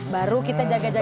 baru kita jaga jaga